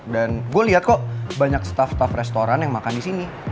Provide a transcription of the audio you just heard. dan gue liat kok banyak staf staf restoran yang makan di sini